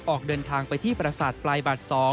ออกเดินทางไปที่ประสาทปลายบัตร๒